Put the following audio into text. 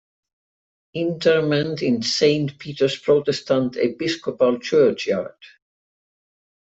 Interment in Saint Peter's Protestant Episcopal Churchyard.